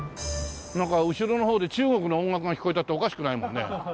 なんか後ろの方で中国の音楽が聞こえたっておかしくないもんね。